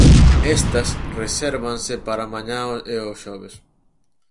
Estas resérvanse para mañá e o xoves.